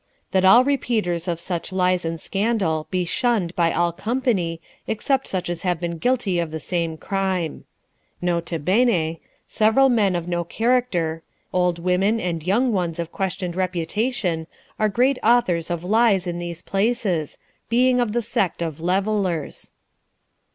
"That all repeaters of such lies and scandal be shunned by all company, except such as have been guilty of the same crime. N.B. fcv\ rrui 54 LIFE OF RICHARD NASH. men of no character, old women and young ones of questioned reputation, are great authors of lies in these places, being of the sect of levellers."